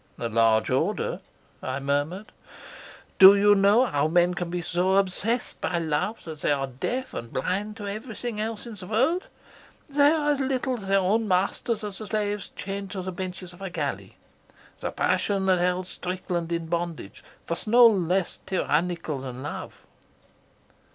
"A large order," I murmured. "Do you know how men can be so obsessed by love that they are deaf and blind to everything else in the world? They are as little their own masters as the slaves chained to the benches of a galley. The passion that held Strickland in bondage was no less tyrannical than love."